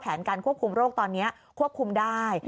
การควบคุมโรคตอนนี้ควบคุมได้